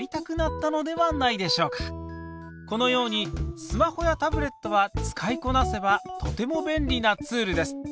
このようにスマホやタブレットは使いこなせばとても便利なツールです。